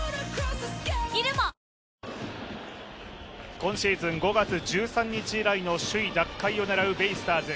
今シーズン５月１３日以来の首位奪回を狙うベイスターズ。